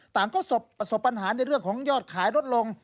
ต่างก็ประสบปัญหาในเรื่องของยอดขายลดลง